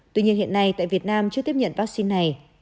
tuy nhiên hiện nay tại việt nam chưa tiếp nhận vắc xin này